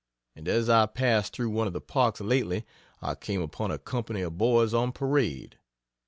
And as I passed through one of the parks lately, I came upon a company of boys on parade.